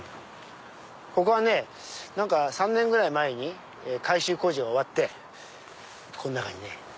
ここはね何か３年ぐらい前に改修工事が終わってこの中にね